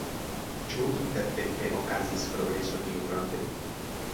Ĉu intertempe okazis progreso tiufronte?